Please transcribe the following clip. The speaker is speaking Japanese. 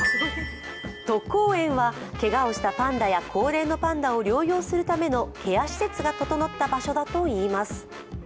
都江堰はけがをしたパンダや高齢のパンダが療養するためのケア施設が整った場所だといいます。